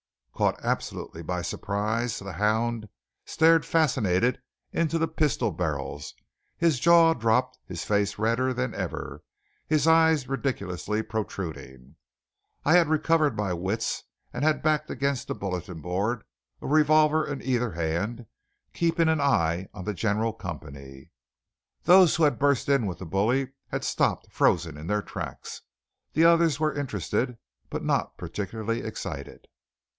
Caught absolutely by surprise, the "Hound" stared fascinated into the pistol barrels, his jaw dropped, his face redder than ever, his eyes ridiculously protruding. I had recovered my wits and had backed against the bulletin board, a revolver in either hand, keeping an eye on the general company. Those who had burst in with the bully had stopped frozen in their tracks. The others were interested, but not particularly excited.